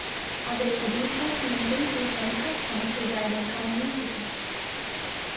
Other traditions maintained different customs regarding canonicity.